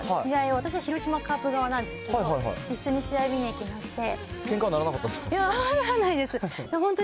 私は広島カープ側なんですけど、一緒に試合見に行きまして。